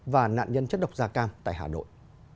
và nạn nhân chất độc da cam tại hà nội